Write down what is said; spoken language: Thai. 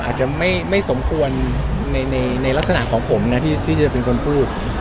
อาจจะไม่เหมาะครับอาจจะไม่สมควรในลักษณะของผมนะที่จะเป็นคนพูด